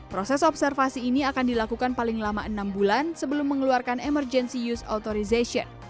proses observasi ini akan dilakukan paling lama enam bulan sebelum mengeluarkan emergency use authorization